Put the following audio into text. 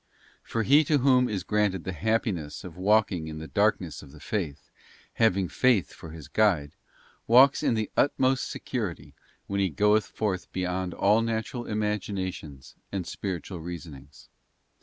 For he to whom is granted the happiness of walking in the darkness of the faith, having faith for his guide, walks in the utmost security when he goeth forth beyond all natural imaginations and spiritual reasonings.